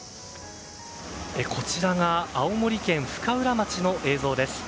こちらが青森県深浦町の映像です。